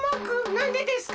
なんでですか？